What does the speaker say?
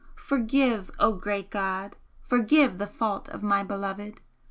Forgive, O great God, forgive the fault of my beloved!